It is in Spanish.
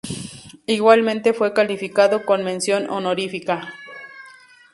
Igualmente fue calificado con mención honorífica.